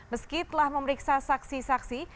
meski telah memeriksa saksi saksi